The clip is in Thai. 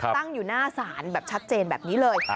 ตั้งอยู่หน้าศาลแบบชัดเจนแบบนี้เลย